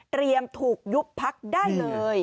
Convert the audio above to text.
เตรียมถูกยุบพักได้เลย